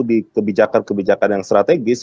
di kebijakan kebijakan yang strategis